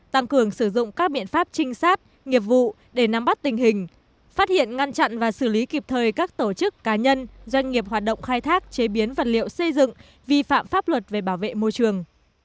tăng cường sử dụng các biện pháp trinh sát nghiệp vụ để nắm bắt tình hình phát hiện ngăn chặn và xử lý kịp thời các tổ chức cá nhân doanh nghiệp hoạt động khai thác chế biến vật liệu xây dựng vi phạm pháp luật về bảo vệ môi trường